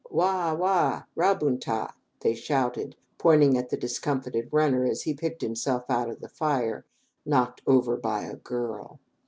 "Wa, wa, Ra bun ta," they shouted, pointing at the discomfited runner as he picked himself out of the fire, "knocked over by a girl!"